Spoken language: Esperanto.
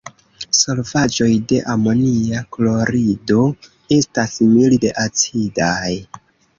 Solvaĵoj de amonia klorido estas milde acidaj.